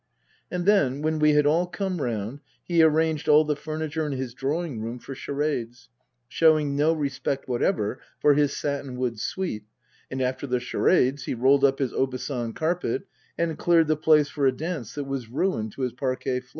And then when we had all come round, he rearranged all the furniture in his drawing room for charades (showing no respect whatever for his satinwood suite) ; and after the charades he rolled up his Aubusson carpet and cleared the place for a dance that was ruin to his parquet floor.